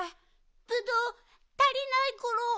ぶどうたりないコロ。